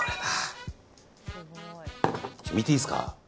見ていいですか？